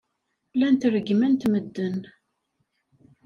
Llant reggment medden.